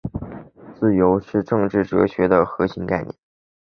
自由是政治哲学的核心概念。